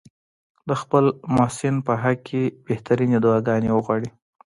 د خپل محسن په حق کې بهترینې دعاګانې وغواړي.